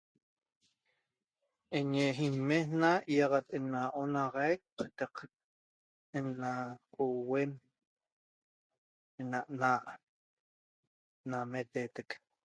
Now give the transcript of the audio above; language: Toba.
eñe imejna iaxatena onaxaiq cataq ena cohueem ena naa meteteq